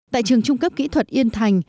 tại trường trung cấp kỹ thuật yên thái